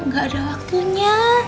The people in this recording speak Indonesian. gak ada waktunya